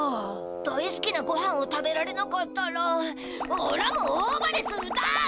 大すきなごはんを食べられなかったらおらも大あばれするだ！